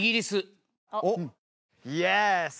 イエス